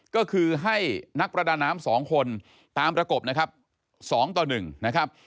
ก็คือให้นักประดาน้ำ๒คนตามประกบนะครับ๒ต่อ๑นะครับ